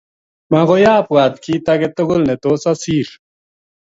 Makoy abwat kit ake tugul ne tos asir.